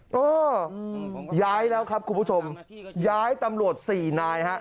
เออย้ายแล้วครับคุณผู้ชมย้ายตำรวจสี่นายฮะ